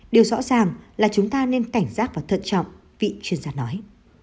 điều rõ ràng là chúng ta nên cảnh giác và thận trọng vị chuyên gia nói